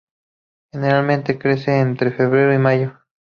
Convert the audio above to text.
Generalmente crecen entre febrero y mayo.